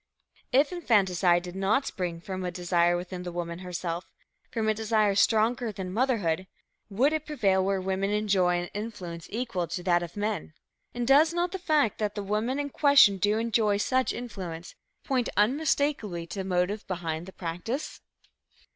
If infanticide did not spring from a desire within the woman herself, from a desire stronger than motherhood, would it prevail where women enjoy an influence equal to that of men? And does not the fact that the women in question do enjoy such influence, point unmistakably to the motive behind the practice?